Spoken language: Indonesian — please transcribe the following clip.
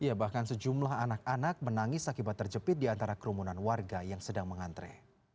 ya bahkan sejumlah anak anak menangis akibat terjepit di antara kerumunan warga yang sedang mengantre